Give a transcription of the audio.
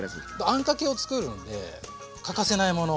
あんかけをつくるので欠かせないもの